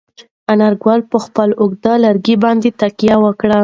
انارګل په خپل اوږد لرګي باندې تکیه وکړه.